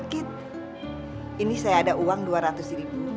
oke ibu paling burada